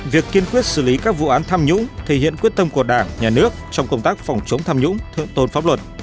việc kiên quyết xử lý các vụ án tham nhũng thể hiện quyết tâm của đảng nhà nước trong công tác phòng chống tham nhũng thượng tôn pháp luật